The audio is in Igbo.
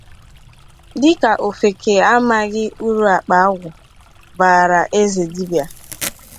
dịka ofeke amaghị uru àkpá agwụ bààrà ézè dibịa.